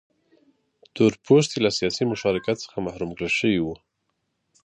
تور پوستي له سیاسي مشارکت څخه محروم کړل شوي وو.